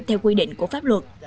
theo quy định của pháp luật